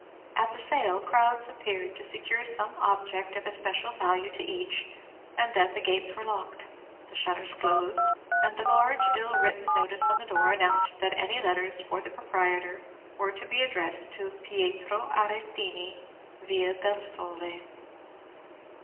At the sale crowds appeared to secure some object of especial value to each; and then the gates were locked, the shutters closed, and a large, ill written notice on the door announced that any letters for the proprietor were to be addressed to "Pietro Arretini, Via del Sole."